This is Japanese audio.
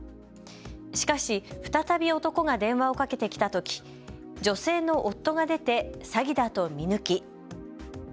しかし再び男が電話をかけてきたとき女性の夫が出て詐欺だと見抜き。